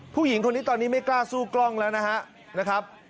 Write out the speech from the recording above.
ผู้หญิงคนนี้ตอนนี้ไม่กล้าสู้กล้องแล้วนะครับ